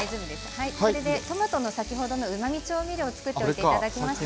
トマトの先ほどのうまみ調味料を作っていただきました。